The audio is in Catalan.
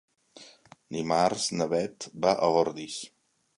Dimarts na Beth va a Ordis.